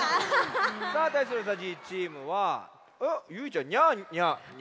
さあたいするうさじいチームはゆいちゃん「ニャニャニャ」。